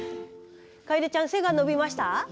楓ちゃん背が伸びました？